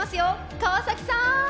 川崎さん！